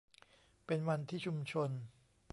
เป็นวันที่ชุมชน